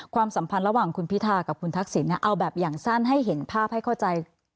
ความสัมพันธ์ระหว่างคุณพิทากับคุณทักษิณเอาแบบอย่างสั้นให้เห็นภาพให้เข้าใจ